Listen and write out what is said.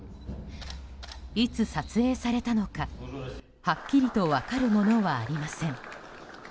いつ撮影されたのか、はっきりと分かるものはありません。